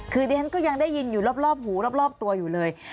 คือดิฉันก็ยังได้ยินอยู่รอบหูรอบตัวอยู่เลย